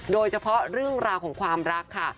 โดยเฉพาะเรื่องราวของความรักค่ะ